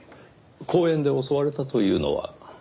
公園で襲われたというのは？